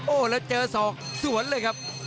โอ้โหแล้วเจอศอกสวนเลยครับ